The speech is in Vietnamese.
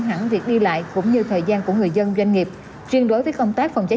hẳn việc đi lại cũng như thời gian của người dân doanh nghiệp riêng đối với công tác phòng cháy